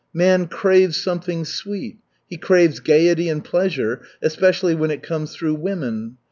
Man craves something sweet, he craves gaiety and pleasure, especially when it comes through women.